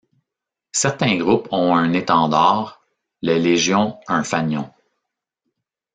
Certains groupes ont un étendard, les légions un fanion.